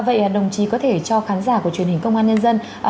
vậy đồng chí có thể cho khán giả của truyền hình công an nhân dân